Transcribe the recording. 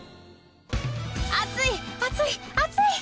暑い、暑い、暑い！